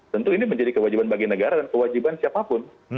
tentu ini menjadi kewajiban bagi negara dan kewajiban siapapun